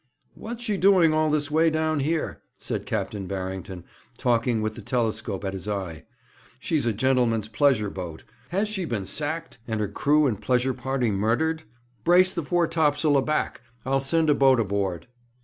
'What's she doing all this way down here?' said Captain Barrington, talking with the telescope at his eye. 'She's a gentleman's pleasure boat. Has she been sacked, and her crew and pleasure party murdered? Brace the foretopsail aback. I'll send a boat aboard.'